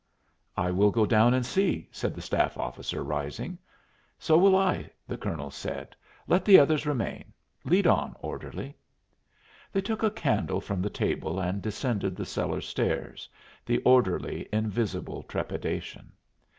"I will go down and see," said a staff officer, rising. "So will I," the colonel said; "let the others remain. Lead on, orderly." They took a candle from the table and descended the cellar stairs, the orderly in visible trepidation.